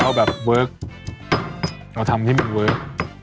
เอาแบบเวิร์คเราทำให้มันเวิร์ค